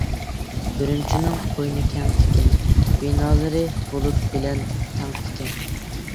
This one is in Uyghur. ئۈرۈمچىنىڭ قوينى كەڭ ئىكەن، بىنالىرى بۇلۇت بىلەن تەڭ ئىكەن.